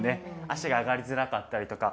足が上がりづらかったりとか。